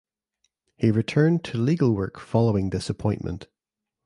He returned to legal work following this appointment.